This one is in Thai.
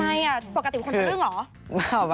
ทำไมอะปกติเป็นคนทะลื้มเหรอ